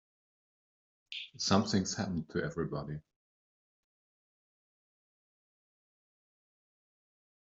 Something's happened to everybody.